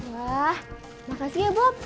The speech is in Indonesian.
wah makasih ya bob